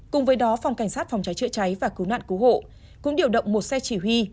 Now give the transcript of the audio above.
cùng với đó phòng cảnh sát phòng cháy chữa cháy và cứu nạn cứu hộ cũng điều động một xe chỉ huy